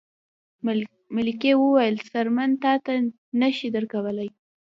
ملکې وویل څرمن تاته نه شي درکولی.